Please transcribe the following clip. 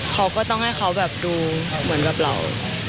เขาก็ต้องให้เขาแบบดูเหมือนแบบเรา